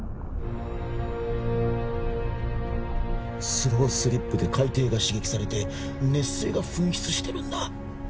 スロースリップで海底が刺激されて熱水が噴出してるんだ